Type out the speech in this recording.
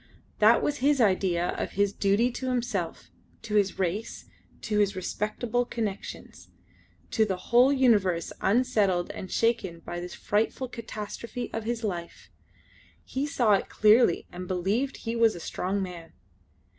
That was his idea of his duty to himself to his race to his respectable connections; to the whole universe unsettled and shaken by this frightful catastrophe of his life. He saw it clearly and believed he was a strong man.